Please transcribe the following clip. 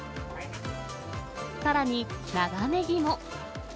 さらに長ネギも。